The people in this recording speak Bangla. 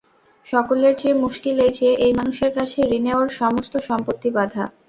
সকলের চেয়ে মুশকিল এই যে, এই মানুষের কাছে ঋণে ওর সমস্ত সম্পত্তি বাঁধা।